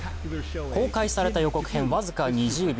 公開された予告編、僅か２０秒。